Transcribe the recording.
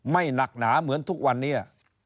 หนักหนาเหมือนทุกวันนี้